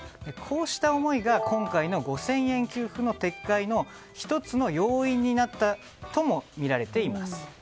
こうした思いが今回の５０００円給付の撤回の１つの要因になったともみられています。